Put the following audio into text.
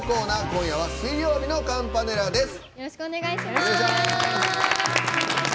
今夜は水曜日のカンパネラです。